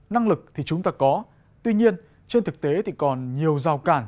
năng lực thì chúng ta có tuy nhiên trên thực tế thì còn nhiều rào cản